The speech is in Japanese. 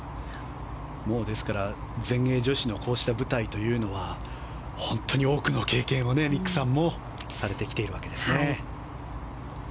ですから、全英女子のこうした舞台というのは本当に多くの経験をミックさんもされてきているわけですね。